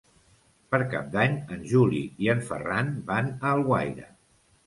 Per Cap d'Any en Juli i en Ferran van a Alguaire.